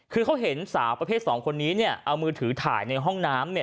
คือเขาเห็นสาวประเภทสองคนนี้เนี่ยเอามือถือถ่ายในห้องน้ำเนี่ย